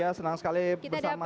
ya senang sekali bersama